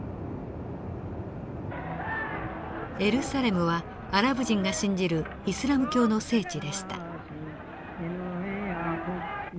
エルサレムはアラブ人が信じるイスラム教の聖地でした。